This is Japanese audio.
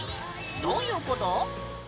どういうこと？